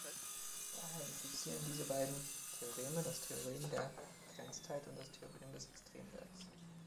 Daher implizieren diese beiden Theoreme das Theorem der Begrenztheit und das Theorem des Extremwerts.